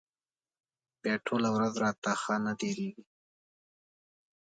بیا ټوله ورځ راته ښه نه تېرېږي.